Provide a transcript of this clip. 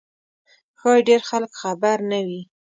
ښایي ډېر خلک خبر نه وي.